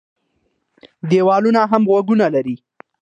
ديوالونه هم غوږونه لري.